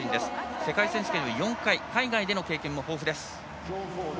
世界選手権４回海外での経験も豊富。